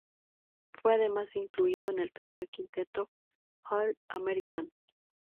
Fue además incluido en el tercer quinteto All-American.